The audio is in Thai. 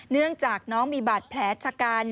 เนื่องจากน้องมีบาดแผลชะกัน